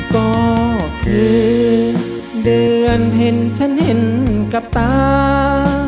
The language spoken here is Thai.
ก็คือเดือนเห็นฉันเห็นกับตา